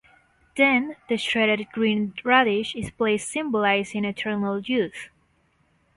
Then the shredded green radish is placed symbolising eternal youth.